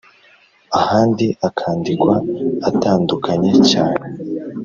ahandi akandikwa atandukanye.cyane